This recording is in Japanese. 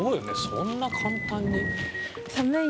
そんな簡単に。